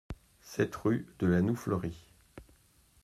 sept rue de la Noue Fleurie